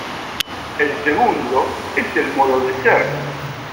El segundo es el modo ser.